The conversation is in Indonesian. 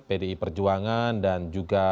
pdi perjuangan dan juga